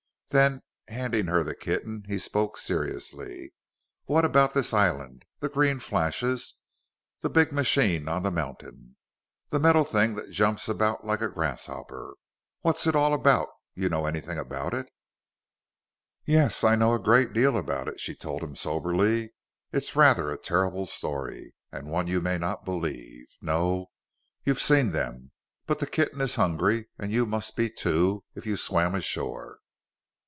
Then, handing her the kitten, he spoke seriously. "What about this island? The green flashes? The big machine on the mountain? The metal thing that jumps about like a grasshopper? What's it all about? You know anything about it?" "Yes, I know a good deal about it," she told him soberly. "It's rather a terrible story. And one you may not believe no, you've seen them! But the kitten is hungry, and you must be, too, if you swam ashore."